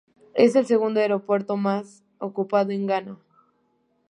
Es el segundo aeropuerto más ocupado en Ghana.